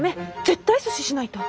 絶対阻止しないと。